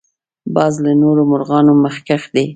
باز له نورو مرغانو مخکښ دی